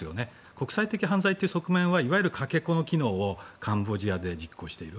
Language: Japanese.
国際的犯罪という側面はいわゆるかけ子の機能をカンボジアで実行している。